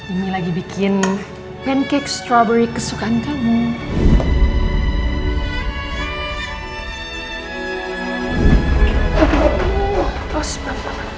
ini lagi bikin pancake strovery kesukaan kamu